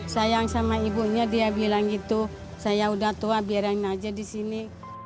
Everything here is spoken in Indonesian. sayang sama ibunya dia bilang gitu saya udah tua biarin aja di sini